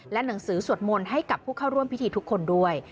หนังสือสวดมนต์ให้กับผู้เข้าร่วมพิธีทุกคนด้วย